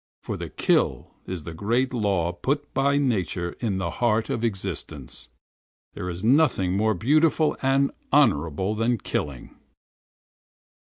For to kill is the great law set by nature in the heart of existence! There is nothing more beautiful and honorable than killing!